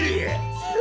すごい！